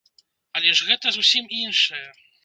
Але ж гэта зусім іншае.